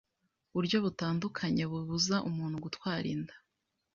buryo butandukanye bubuza umuntu gutwara inda